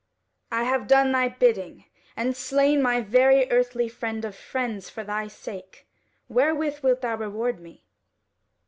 "I have done thy bidding, and slain my very earthly friend of friends for thy sake. Wherewith wilt thou reward me?"